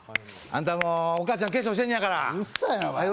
あんたも、お母ちゃん化粧してんやから、はよ